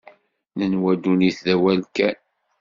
Nenwa ddunit d awal kan.